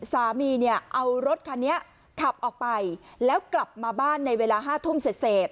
สามีเนี่ยเอารถคันนี้ขับออกไปแล้วกลับมาบ้านในเวลา๕ทุ่มเสร็จ